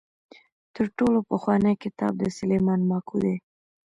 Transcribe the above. تر ټولو پخوانی کتاب د سلیمان ماکو دی.